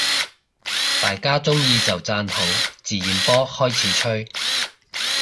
大家鍾意就讚好，自然波開始吹